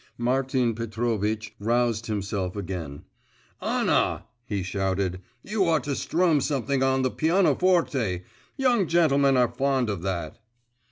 … Martin Petrovitch roused himself again, 'Anna!' he shouted, 'you ought to strum something on the pianoforte … young gentlemen are fond of that.